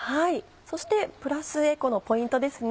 そしてプラスエコのポイントですね。